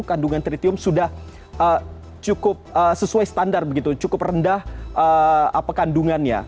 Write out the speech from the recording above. kandungan tritium sudah cukup sesuai standar begitu cukup rendah kandungannya